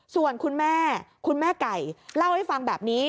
ส่วนคุณแม่คุณแม่ไก่เล่าให้ฟังแบบนี้